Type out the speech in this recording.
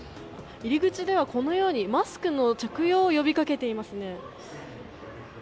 入り口ではこのようにマスクの着用を呼び掛けていますね。